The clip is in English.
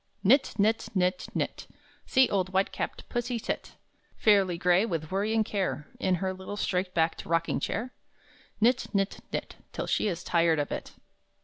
Knit, knit, knit, knit! See old white capped Pussy sit, Fairly gray with worry and care, In her little straight backed rocking chair? Knit, knit, knit, Till she is tired of it!